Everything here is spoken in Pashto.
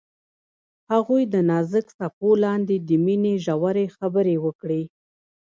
هغوی د نازک څپو لاندې د مینې ژورې خبرې وکړې.